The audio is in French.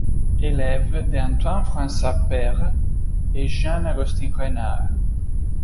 Élève de Antoine-François Peyre et Jean-Augustin Renard.